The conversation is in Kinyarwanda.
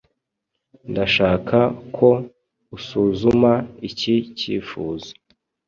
Ndashaka ko usuzuma iki cyifuzo.